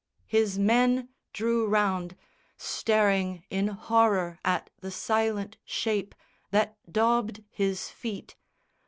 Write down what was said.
His men drew round, Staring in horror at the silent shape That daubed his feet.